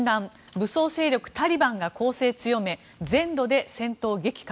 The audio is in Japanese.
武装勢力タリバンが攻勢強め全土で戦闘激化。